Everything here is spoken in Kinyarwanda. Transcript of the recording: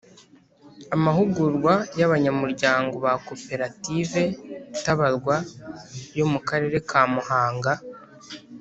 Amahugurwa y Abanyamuryango ba Koperative Tabarwa yo mu Karere ka Muhanga